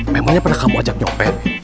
memangnya pernah kamu ajak nyopet